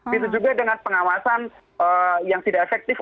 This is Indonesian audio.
bisa juga dengan pengawasan yang tidak efektif